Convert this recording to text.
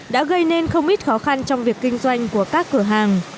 đã gây nên không ít khó khăn trong việc kinh doanh của các cửa hàng